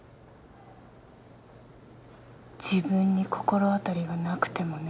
自分に心当たりがなくてもね。